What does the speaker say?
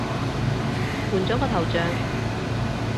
換咗個頭像